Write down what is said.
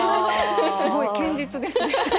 すごい堅実ですね。